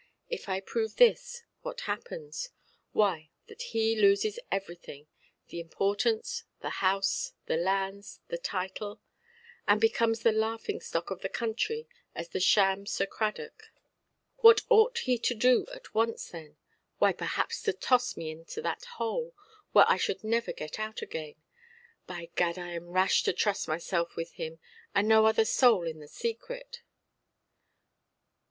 If I prove this, what happens? Why, that he loses everything—the importance, the house, the lands, the title; and becomes the laughing–stock of the county as the sham Sir Cradock. What ought he to do at once, then? Why, perhaps to toss me into that hole, where I should never get out again. By Gad, I am rash to trust myself with him, and no other soul in the secret"!